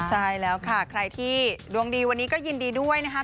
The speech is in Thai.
ใช่แล้วค่ะใครที่ดวงดีวันนี้ก็ยินดีด้วยนะคะ